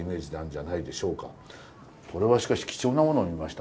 これはしかし貴重なものを見ましたね。